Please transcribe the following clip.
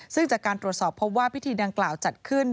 ซึ่งจากการตรวจสอบพบว่าพิธีดังกล่าวจัดขึ้น